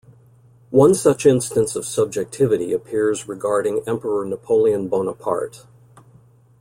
One such instance of subjectivity appears regarding emperor Napoleon Bonaparte.